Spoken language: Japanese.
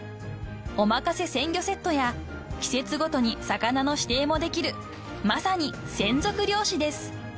［おまかせ鮮魚セットや季節ごとに魚の指定もできるまさに専属漁師です］